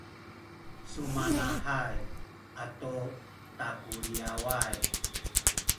sumanahay atu takuliyaway